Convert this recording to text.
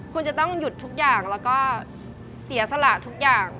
คุณจะต้องหยุดทุกอย่างแล้วก็เสียสละทุกอย่าง